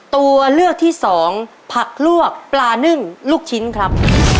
ตัวเลือกที่สองผักลวกปลานึ่งลูกชิ้นครับ